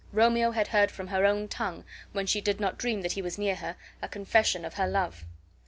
Romeo had heard from her own tongue, when she did not dream that he was near her, a confession of her love.